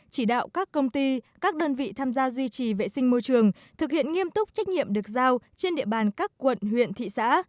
chỉ đạo các công ty các đơn vị tham gia duy trì vệ sinh môi trường thực hiện nghiêm túc trách nhiệm được giao trên địa bàn các quận huyện thị xã